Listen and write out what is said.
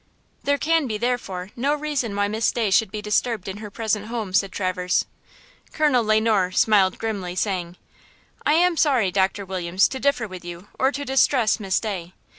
"There can be, therefore, no reason why Miss Day should be disturbed in her present home," said Traverse. Colonel Le Noir smiled grimly, saying: "I am sorry, Doctor Williams, to differ with you or to distress Miss Day.